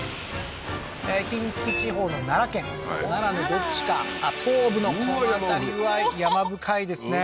近畿地方の奈良県奈良のどっちかあっ東部のこの辺りは山深いですね